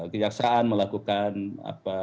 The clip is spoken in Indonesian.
kejaksaan melakukan apa